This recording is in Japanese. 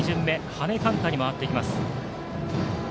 羽根勘太に回っていきます。